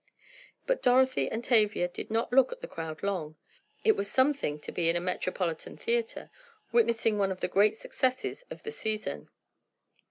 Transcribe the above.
But Dorothy and Tavia did not look at the crowd long. It was something to be in a metropolitan theatre, witnessing one of the great successes of the season.